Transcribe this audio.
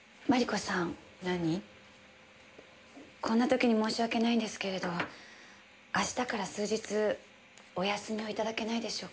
こんな時に申し訳ないんですけれど明日から数日お休みを頂けないでしょうか。